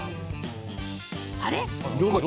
あれ？